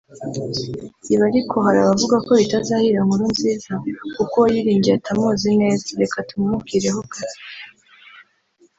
Ibi ariko hari abavuga ko bitazahira Nkurunziza kuko uwo yiringiye atamuzi neza reka tu mumubwireho gato